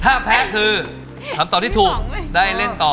ถ้าแพ้คือคำตอบที่ถูกได้เล่นต่อ